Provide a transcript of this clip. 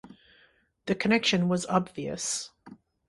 The connection was obvious.